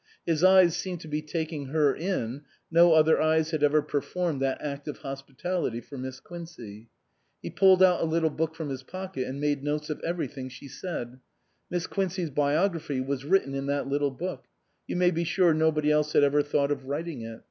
His eyes seemed to be taking her in (no other eyes had ever per formed that act of hospitality for Miss Quincey). He pulled out a little book from his pocket and made notes of everything she said ; Miss Quincey's biography was written in that little book (you may be sure nobody else had ever thought of writing it).